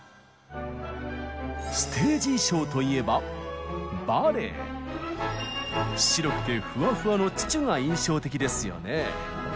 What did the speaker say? ステージ衣装といえば白くてふわふわのチュチュが印象的ですよね。